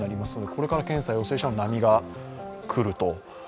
これから検査陽性者も波がくると。